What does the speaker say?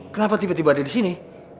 kenapa tiba tiba ada di sini